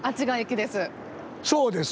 そうです